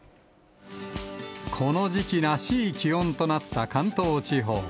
この時期らしい気温となった関東地方。